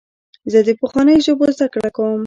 زه د پخوانیو ژبو زدهکړه کوم.